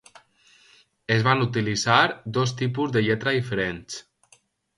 Es van utilitzar dos tipus de lletra diferents.